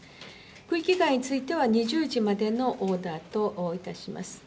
区域外については２０時までのオーダーといたします。